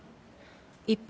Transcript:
一方